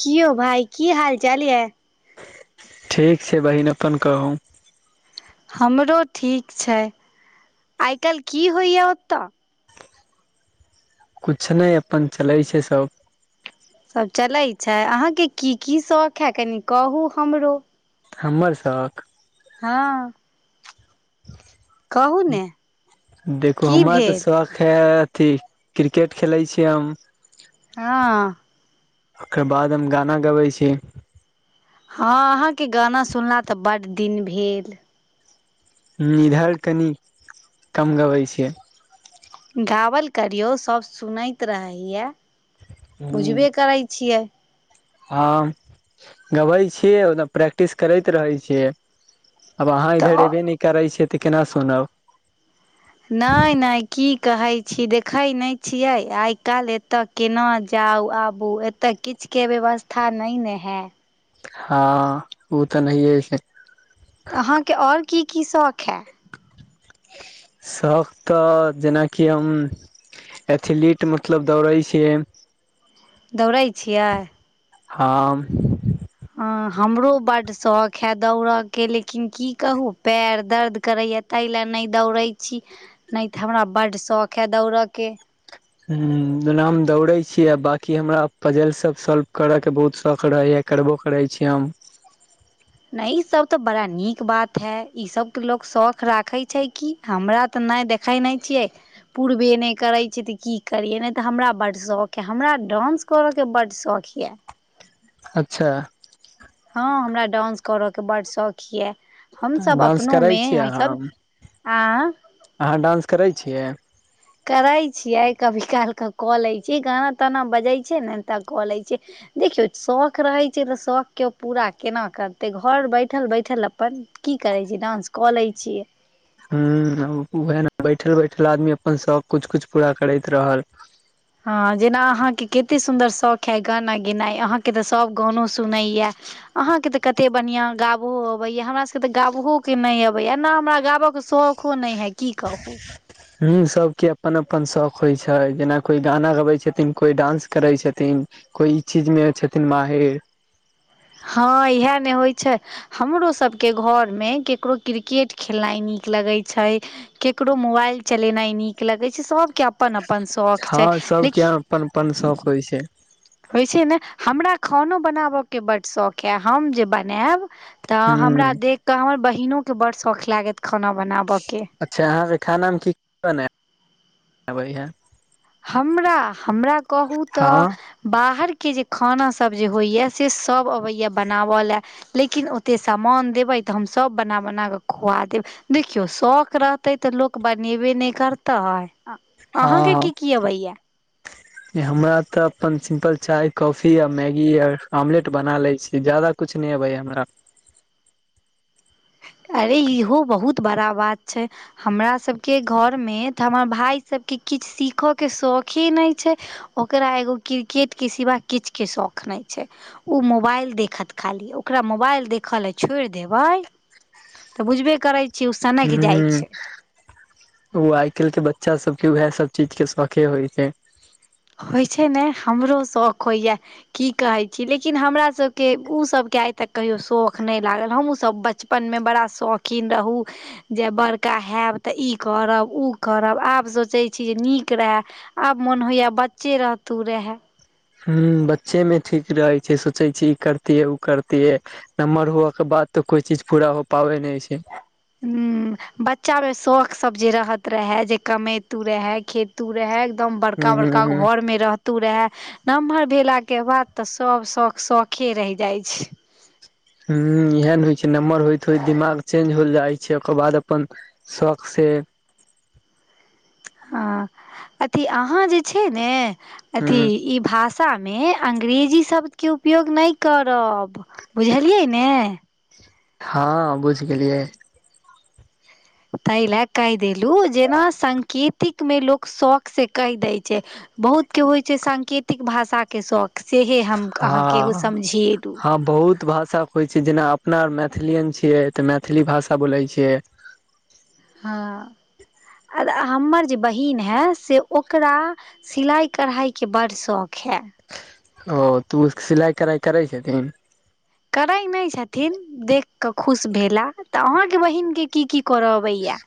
कि यौ भाइ की हाल चाल यऽ ठीक छै बहिन अपन कहू हमरो ठीक छै आइ काल्हि की होइए ओतय कुछ नै अपन चलै छै सब सब चलै छै अहाँके की की शौख है कनि कहू हमरो हमर शौख हँ कहू ने देखू की हमरा तऽ भेल शौख खे अथी क्रिकेट खेलै छियै हम हँ ओकर बाद हम गाना गबै छी हँ अहाँके गाना सुनला तऽ बड्ड दिन भेल निधर कनि कम गबै छियै गबल करियौ सब सुनैत रहैया बुझबे करै छियै हँ गबै छीयै ओना प्रैक्टिस करैत रहे छियै आब अहाँ तऽ इधर एबे नय करै छै तऽ केना सुनब नय - नय की कहै छी देखै नय छियै आइ काइल एतऽ केना जाउ आबू एतऽ किछ केँ व्यवस्था नय नऽ हैत हँ ओ तऽ नहिये छै तऽ अहाँकेँ आओर की की शौक हए शौक तऽ जेनाकि हम एथलीट मतलब दौड़ै छियै दौड़ै छियै हँ हँ हमरो बड्ड शौख हे दौड़अ केँ लेकिन की कहू पैर दर्द करै य तैय लऽ नच दौड़ै छी नय तऽ हमरा बड्ड शौख अइ दौड़ऽ केँ हुँ जेना हम दौड़े छी आ बकी हमरा पजल सब सॉल्व करऽ केँ बहुत शौक रहे यऽ करबो करै छी हम नय ई सभ तऽ बड़ा नीक बात है ई सभ तऽ लोक शौक राखै छै कि हमरा तऽ नय देखै नय छियै पूरबे नय करै छै तऽ की करियै नय तऽ हमरा बड्ड शौक यऽ हमरा डान्स करऽ केँ बड्ड शौक यऽ अच्छा हँ हमरा डान्स करऽ केँ बड्ड शौक ये तऽ हमसब डांस करै अपनोमे छियै अहाँ हमसब आ अहाँ डान्स करै छियै करै छियै कभी काल कऽ कऽ लै छियै गाना ताना बजै छै ने तऽ कऽ लै छियै देखियौ शौख रहै छै तऽ शौख केँ ओ पूरा केना करतै घर बैठल - बैठल अपन की करै छी डान्स कऽ लै छियै हुँ उहै नऽ बैठल - बैठल आदमी अपन शौक कुछ - कुछु पूरा करैत रहल हँ जेना अहाँकेँ कते सुन्दर शौख है गाना गेनाइ अहाँकेँ तऽ सभ गानो सुनै यऽ अहाँकेँ तऽ कते बढ़िआँ गाबहो अबैय हमरा सब केँ तऽ गाबहो केँ नय अबैय एना हमरा गाबऽ केँ शौ खो नय है की कहू हुँ सभ केँ अपन अपन शौक होइ छै जेना कोइ गाना गबै छथिन कोइ डान्स करै छथिन कोइ ई चीज मे छथिन माहिर हँ इहै नऽ होइ छै हमरो सभ केँ घरमे ककरो क्रिकेट खेलनाइ नीक लगै छै केकरो मोबाइल चलेनाइ नीक लगे छै सब केँ अ पन - अपन शौख हँ छै सबके अपन अपन शौक लेकिन होइ छै होइ छै नऽ हमरा खानो बनाबऽ केँ बड्ड शौक यऽ हम जे बनाएब तऽ ह हमरा देख कऽ हमर बहिनो केँ बड्ड सौख लागत खाना बनाबऽ केँ अच्छा अहाँकेँ खानामे की की बनै अबै हँ हमरा हमरा कहू तऽ हँ बाहर केँ जे खानासभ जे होइय से सभ अबैय बनाबल ले लेकिन ओते सामान देबै तऽ हम सब बना - बना कऽ खुआ देब देखियौ शौख रहतेै तऽ लोक बनेबे नच करतै अहाँके हँ की की अबैय हमरा तऽ अपन सिम्पल चाय, कॉफी आ मैगी आर ऑमलेट बना ले छी जादा कुज नय आबै य हमरा अरे इहो बहुत बड़ा बात छै। हमरा सभ केँ घर में तऽ हमर भाय सभ केँ किछ सीख केँ शौखी नै छै। ओकरा एगो क्रिकेट केँ सिवा किछ केँ शौक नै छै। ओ मोबाइल देखत खाली ओकरा मोबाइल देख लऽ छोड़ देबै। तऽ बुझबे करै छी ओ सनक जाइ छै [unintelligible] ओ आइ काइल कऽ बच्चा सब कऽ वैह सब चीज कऽ शौखे होय छै होइ छै ने हमरो शौक होइए की कहै छी लेकिन हमरा सब केँ उऽ सभ केँ आइ तक कहियो शौख नै लागल हमहूँ सभ बच बचपन में बड़ा शौकीन रहूँ जे बड़का हैब तऽ ई करब ओ करब आब सोचैत छी जे नीक रहै आब मोन होइया बच्चे रहतू रहे। हु बच्चे में ठीक रहै छै सोचै छी ई करतिये ओ करतिहे नम्हर होए कऽ बाद तऽ कोई चीज पूरा हो पाबै नै छै। [unintelligible] बच्चा में शौख सब जे रहत रहे जे कमेैतू रहे खेतू रहे। एकदम ह बड़का बड़का घर में रह। तू रहे नमहर भेला केँ बाद तऽ सब शौख शौखे रैह जाइ छै। हु इहै न होइ छै नम्हर होइत होइत दिमाग चेंज होल जाइ छै ओकर बाद अपन। शौक से हँ अथी अहाँ जे छै ने अथी। ह ई भाषा में अंग्रेजी शब्द केँ उपयोग नै करब। बुझलियै ने हऽ बुझ गेलियै। तैय लै कैह देलु जेना साकेतिक में लोक शौक स कैह दै छै। बहुत केँ होइ छै साकेतिक भाषा केँ शौक सेहै हम अहाँकेँ ओ हँ समझेलु हँ बहुत भाषा होइ छै जेना अपना आ मैथिलियन छियै तऽ मैथिली भाषा बोलै छियै। हँ [inaudible] आ हमर जे बहिन है से ओकरा सिलाइ कड़हाकेँ बड शौक है ओ तु सिलाइ कड़हाइ करै छथिन। करै नै छथिन देख कऽ खुश भेला तऽ अहाँकेँ बहिन केँ की की कर अबै या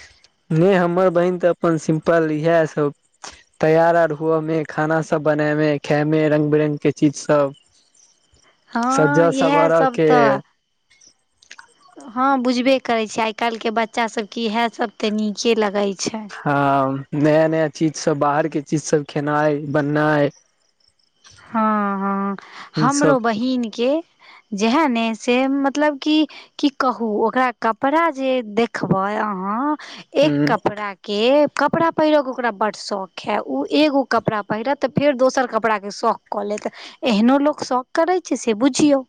[inaudible] नै हमर बहिन तऽ अपन सिम्पल इहै सब। तैयार आर हुअ में खाना सब बना में खाय में रंग बिरंग केँ चीज सब हँ सजा इहै सवारा सभ के तऽ [inaudible] हँ बुझबे करै छियै आइ काइल केँ बच्चा सभ केँ इहै सब तऽ नीके लगैत छै। हँ नया नया चीज सब बाहर केँ चीज सब खेनै बननै हऽ हऽ सब हमरो बहिन केँ जेहै ने से मतलब कि की कहू ओकरा कपड़ा जे देखबै अहाँ एक ह कपड़ा केँ कपड़ा पहिर केँ ओकरा बड शौख है ओ एगो कपड़ा पहिरत तऽ फेर दोसर कपड़ा केँ शौख। कऽ लेत एहनो लोक शौक करै छै से बुझियौ।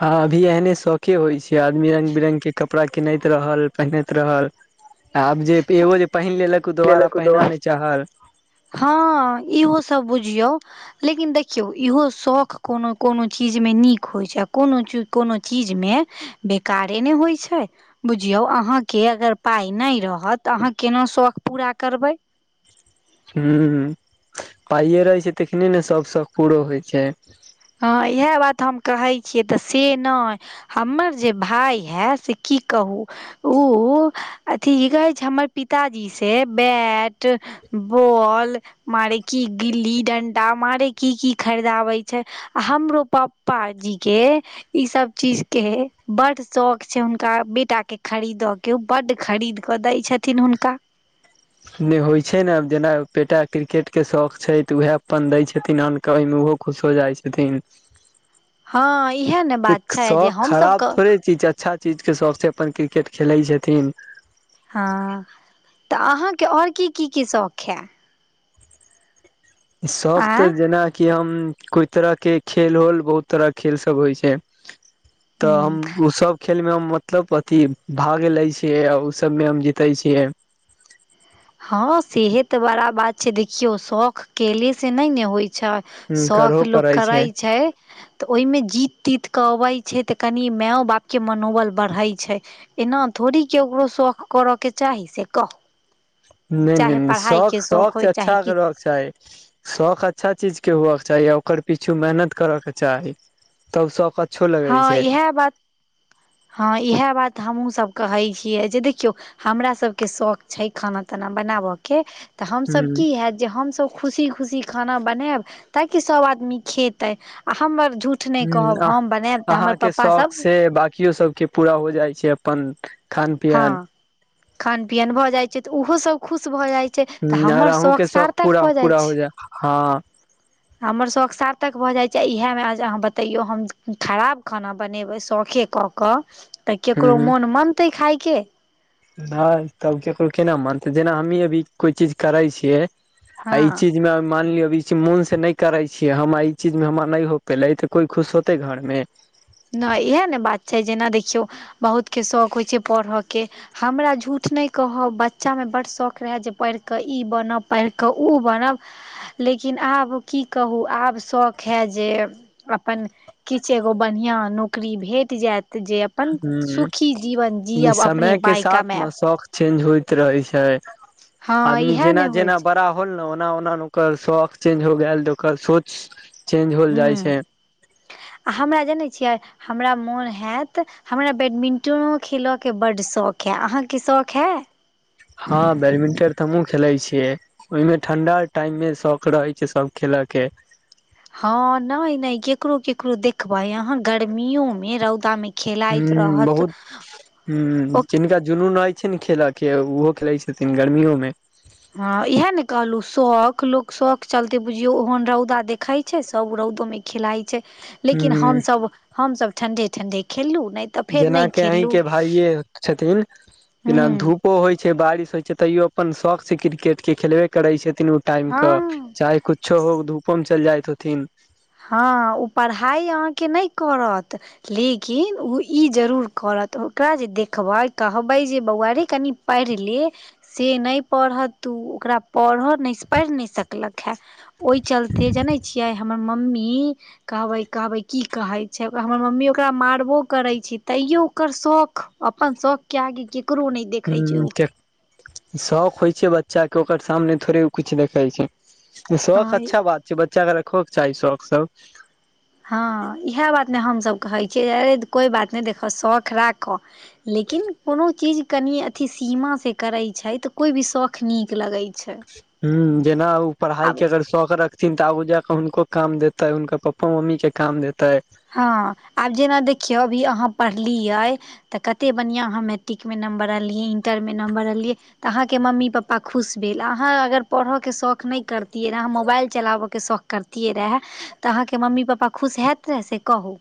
हँ अभी एहने शौखे होइ छै आदमी रंग बिरंग केँ कप। कपड़ा कीनैत रहल पहिनैत रहल आब जे एगो जे पहिन लेलक। दोबरा पहिन नै चाहल हँ इहो सब बुझियौ। लेकिन देखियौ इहो शौख कोनो कोनो चीजमे नीक होइ छै आ कोनो कोनो चीजमे, बेकारे ने होइ छै। बुझियौ अहाँके अगर पाइ नहि रहत तऽ अहाँ केना शौक पूरा करबै। हूँ पाइए रहै छै तखने ने सब शौक पूराो होइ छै। हाँ इएह बात हम कहै छियै तऽ से नहि। हमर जे भाय हा से की कहू। ओ अथि ई कहै छै हमर पिताजी से बैट बॉल मारे की गिल्ली डंडा मारे की की खरीदाबै छै हमरो पापाजीके इ सब चीज के बड शौक छै हुनका बेटा के खरीद के के ओ बड्ड खरीद कऽ दै छथिन हुनका, ने होइ छै ने जेना बेटा क्रिकेट के शौक छै तऽ उएह अपन दय छथिन आन त ओहिमे ओहो खुश हो जाइ छथिन। हाँ इहा ने तऽ बात छै जे शौख खराब हमसभके, थोड़े चीज अच्छा चीज के शौकसँ अपन क्रिकेट खेलैत छथिन। हाँ तऽ अहाँके आओर की की की शौक हाए शौक त आँय जेना कि हम कोइ तरह के खेल होल बहुत तरह के खेल सब होइ छै तऽ हूँ हम ओ सब खेल मे हम मतलब अथि भाग ले छियै आ ओ सब मे हम जीते छियै हाँ सेहे त बड़ा बात छै देखियो शौख केले से नहि ने होइ छै शौक करहो लोक पड़ै करै छै तऽ ओहिमे जीत तीत कऽ अबैत छै तऽ कनि मायओ बापके मनोबल बढ़ैत छै एना थोड़ी केकरो शौख करऽ के चाही से कह नहि नहि नहि शौक शौख शौक से होय चाहे अच्छा किछ चाही शौक अच्छा चीज के हेबाके चाही आ ओकर पीछु मेहनत करऽके चाही तब शौक क हाँ इहाए बात हँ इहाए बात हमहुँसभ कहै छियै जे देखियौ हमरा सभके शौक छै खाना ताना बनाबय के तऽ हमसभ ह की होैत जे हमसभ खुशी खुशी खाना बनायब ताकि सब आदमी खेतै आ हमर झूठ नहि कहब ह हम ब- अहाँके शौक से बांकीयो सबके पूरा हो जाइ छै अपन खान पियन हाँ खान पियन भऽ जाइ छै तऽ ओहो सब खुश भऽ जाइ छै तऽ हूँ आर हमर अहूँके शौक सार्थक पूरा भऽ जाइ पूरा छै हो जाय हँ हमर शौक सार्थक भऽ जाइ छै इएहमे अहाँ बतैयौ हम खराब खाना बनेबै शौकेे कऽ कऽ तऽ केकरो मोन मनतै खायके नहि तब केकरो केना मानते जेना हमही अभी कोई चीज करै छियै आ ई हँ चीज मान लियौ अ ई मोन से नहि करै छियै हम ई चीजमे हमरा नहि हो पैले तऽ कोई खुश होते घरमे नहि इहा ने बात छै जेना देखियौ बहुत के शौक होइ छै पढ़य के हमरा झूठ नहि कहब बच्चामे बड्ड शौक रहाए जे पढ़ि कऽ ई बनब पढ़ि कऽ ओ बनब लेकिन आब की कहू आब शौक हा जे अपन किछु एगो बढ़ियाँ नौकरी भेट जाएत जे अपन ह सुखी जीवन जीअब अपने समय के पाय साथ ने कमाब शौख चेंज होइत रहे छै हँ आदमी इएह ने जेना होइ जेना छै बड़ा होल ने ओना ओना ने ओकर शौक चेंज हो गेल तऽ ओकर सोच चेंज होल जाइ हूँ छै आ हमरा जनै छियै हमरा मोन होैत हमरा बैडमिंटनो खेलय के बड्ड शौक हए अहाँके शौक हए हँ बैडमिंटन तऽ हमहुँ खेलै छियै ओय में ठंडा टाइम मे शौक रहे छै सब खेलय के हँ नय नय केकरो केकरो देखबै अहाँ गर्मियो मे रौदा मे खेलाइत हूँ रहत बहुत हू जिनका जुनून रहय छै ने खेलऽ के ओहो खेलैत छथिन गर्मियो में हँ इएह ने कहलहु शौख लोक शौख चलते बुझियौ ओहन रौदा देखैत सब रौदो मे खेलाइ छै लेकिन ह हमसभ हमस ठंडे ठंडे खेललू नय जेना के अहीं के भाइे छथिन हूँ बिना धूप होइ छै बारिश होइ छै तैयो अपन शौक से क्रिकेट के खेलबे करै छथिन टाइम के हँ चाहे कुछो हो धूपो मे चलि जाइत होथिन हँ ओ परहाइ अहाँके नय करत लेकिन ओ ई जरूर करत ओकरा जे देखबै कहबै जे बौआ रे कनि पैड़ह ले से नय पढ़त ऊ ओकरा पढ़ह नय पढ़ नय सकलक हे ओय चलते जनै छियै हमर मम्मी कहबै कहबै की कहै छै हमर मम्मी ओकरा मारबो करै छै तैयो ओकर शौख अपन शौक के आगे केकरो नइ हू शौक होइ छै बच्चा के ओकर सामने थोड़े कुछु देखै छै शौख हँ अच्छा बात छै बच्चाके रखोकऽ चाही शौख सब हँ इएह बात ने हमसभ कहै छियैे कोई बात नय देखऽ शौख राख क लेकिन कोनो चीज कनि अथि सीमा से करे छै त कोई भी शौख नीक लगइ हूँ जेना ओ पड़हाइ के आब अगर शौख रख थिन तऽ आगु जााकऽ हुनको काम देतै हुनकर पप्पा मम्मी के काम देतै हँ आब जेना देखियौ अभी अहाँ पढ़लियै तऽ कतेक बढ़िआँ अहाँ मैट्रिकमे नम्बर अनलियै इन्टर में नम्बर अनलियै तऽ अहाँके मम्मी पप्पा खुश भेल अहाँ अगर परह के शौख नहि करतियै अहाँ मोबाइल चलाबऽ के शौख करतियै रेहऽ तऽ अहाँके मम्मी पप्पा खुश हैत रेहऽ से कहू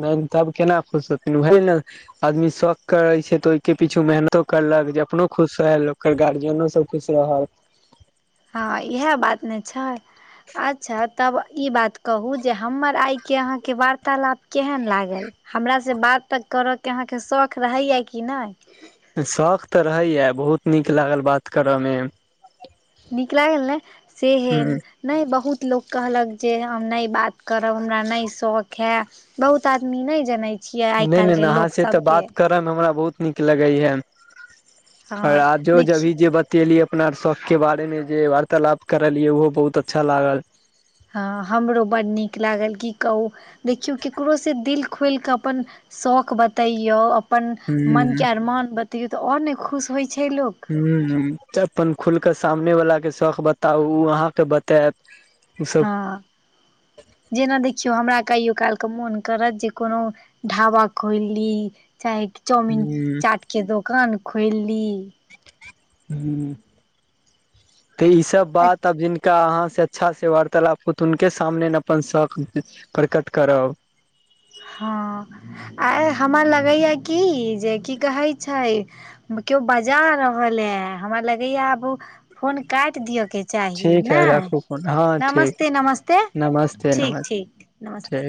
नय तब केना खुश होथिन वही नऽ आदमी शौख करे छै तऽ ओहि के पीछो मेहनतो करलक जे अपनो खुश होल ओकर गार्जियनो सब खुश रहल हँ इएह बात ने छैय अच्छा तब ई बात कहू जे हमर आइके अहाँके वार्तालाप केहन लागल हमरा से बात तऽ करऽके अहाँके शौख रहैया कि नय शौख तऽ रहैया बहुत नीक लागल बात करऽ में नीक लागल ने से हे ह नहि बहुत लोक कहलक जे हम नय बात करब हमरा नय शौख हे बहुत आदमी नहि जनै छियै आइ नहि नहि काल्हिके अहाँ से तऽ लोकसभके बात करऽ हमरा बहुत नीक लगै हे और हँ आजो देखियौ जभी जे ब तियेलिए अपना शौख के बारे में जे वार्तालाप करलिय ओहो बहुत अच्छा लागल हँ हमरो बड़ नीक लागल की कहू देखियौ ककरो से दिल खोलि कऽ अपन शौख बतैयौ अपन मनके ह अरमान बतैयौ तऽ आओर नै खुश होय छै लोक हूँ अपन खुलके सामने वलला के शौख बताउ उ अहाँके बतैत हँ जेना देखियौ हमरा कहियो कालक मोन करत जे कोनो। ढाबा खोइल ली चाहे चाउमिन ह चाट के दोकान खोइलि ली। हूँ तऽ ई सब बात अब जीन जिनका अहाँ से अच्छा से वार्तालाप होत हुनके सामने ने अपन शौख प्रकट करब। हँ आय हमरा लगैया कि जे की कहै छै। कियो बजा रहल ए हमरा लगैया आब फोन काटि दिअ। के चाही ठीक है नाय राखू फोन हँ नमस्ते ठीक नमस्ते नमस्ते ठीक नमस्ते ठीक ठीक नमस्ते।